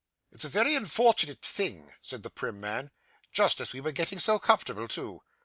'It's a very unfortunate thing,' said the prim man. 'Just as we were getting so comfortable too!